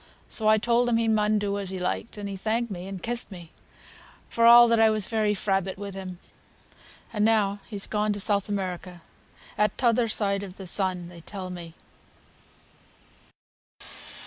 So I telled him he mun do as he liked; and he thanked me and kissed me, for all I was very frabbit with him; and now he's gone to South America, at t'other side of the sun, they tell me."